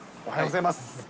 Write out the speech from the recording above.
おはようございます。